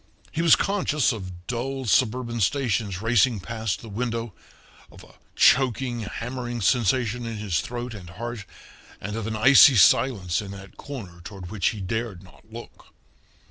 He was conscious of dull suburban stations racing past the window, of a choking, hammering sensation in his throat and heart, and of an icy silence in that corner toward which he dared not look.